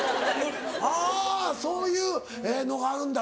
はぁそういうのがあるんだ